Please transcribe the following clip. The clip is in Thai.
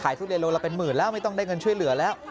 ทุเรียนโลละเป็นหมื่นแล้วไม่ต้องได้เงินช่วยเหลือแล้ว